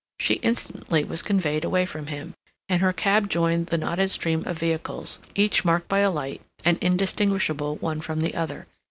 She instantly was conveyed away from him, and her cab joined the knotted stream of vehicles, each marked by a light, and indistinguishable one from the other.